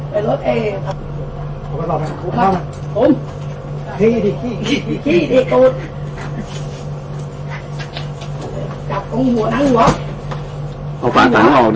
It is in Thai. ไปรถเอ่ยเอาไปต่อไปครบครับผมคี่ดิคี่คี่คี่คี่จับตรงหัวนั้นหัว